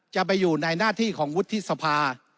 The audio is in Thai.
จะไปอยู่ในหน้าที่ของวุฒิสภา